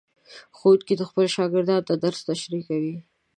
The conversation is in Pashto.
ښوونکي خپلو شاګردانو ته درس تشریح کوي.